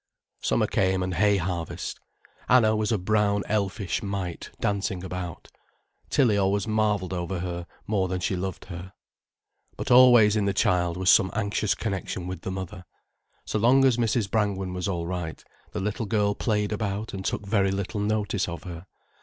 Summer came, and hay harvest, Anna was a brown elfish mite dancing about. Tilly always marvelled over her, more than she loved her. But always in the child was some anxious connection with the mother. So long as Mrs. Brangwen was all right, the little girl played about and took very little notice of her.